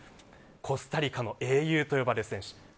コスタリカの英雄と呼ばれる選手です。